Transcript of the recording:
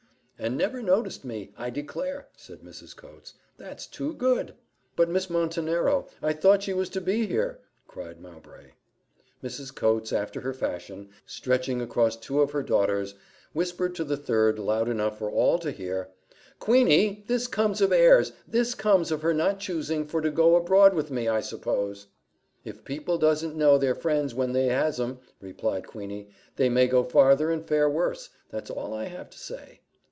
"And never noticed me, I declare," said Mrs. Coates: "that's too good!" "But Miss Montenero! I thought she was to be here?" cried Mowbray. Mrs. Coates, after her fashion, stretching across two of her daughters, whispered to the third, loud enough for all to hear, "Queeney, this comes of airs! This comes of her not choosing for to go abroad with me, I suppose." "If people doesn't know their friends when they has 'em," replied Queeney, "they may go farther and fare worse: that's all I have to say."